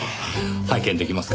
拝見出来ますか？